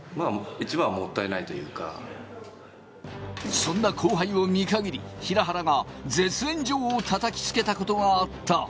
そんな後輩を見限り、平原が絶縁状をたたきつけたことがあった。